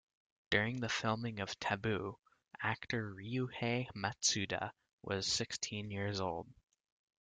During the filming of "Taboo", actor Ryuhei Matsuda was sixteen years old.